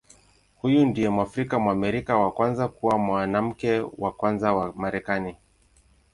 Huyu ndiye Mwafrika-Mwamerika wa kwanza kuwa Mwanamke wa Kwanza wa Marekani.